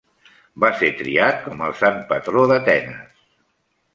Va ser triat com el sant patró d'Atenes.